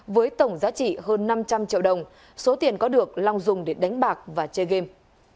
với tổng giá trị hơn năm trăm linh triệu đồng số tiền có được long dùng để đánh bạc và chơi game